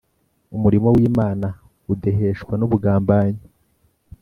Umurimo w'Imana udeheshwa n'ubugambanyi